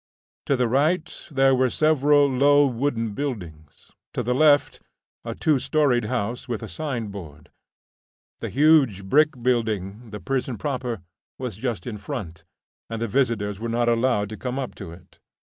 To the right there were several low wooden buildings; to the left, a two storeyed house with a signboard. The huge brick building, the prison proper, was just in front, and the visitors were not allowed to come up to it.